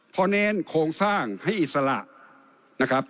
เพราะเน้นโครงสร้างให้อิสระนะครับ